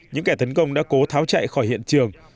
những kẻ tấn công đã cố tháo chạy khỏi hiện trường